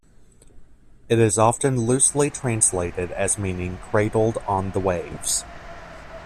It is often loosely translated as meaning cradled on the waves.